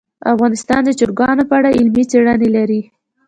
افغانستان د چرګانو په اړه علمي څېړنې لري.